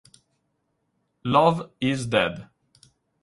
Love Is Dead